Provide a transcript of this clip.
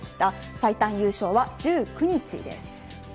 最短優勝は１９日です。